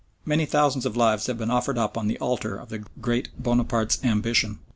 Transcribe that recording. Many thousands of lives had been offered up on the altar of the "Great" Bonaparte's ambition.